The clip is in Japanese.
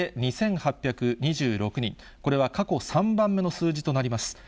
大阪で２８２６人、これは過去３番目の数字となります。